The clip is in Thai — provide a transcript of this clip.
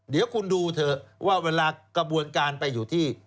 เดี๋ยวคุณดูเถอะว่าเวลากระบวนการไปอยู่ที่